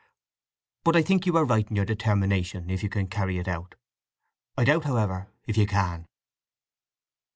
"But I think you are right in your determination—if you can carry it out. I doubt, however, if you can."